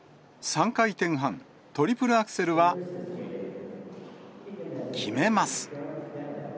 ３回転半、トリプルアクセルは決めます。